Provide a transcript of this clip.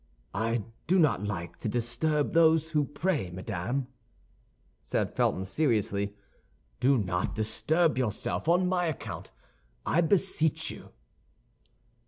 "I do not like to disturb those who pray, madame," said Felton, seriously; "do not disturb yourself on my account, I beseech you."